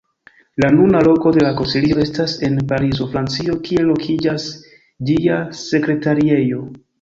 La nuna loko de la Konsilio estas en Parizo, Francio, kie lokiĝas ĝia Sekretariejo.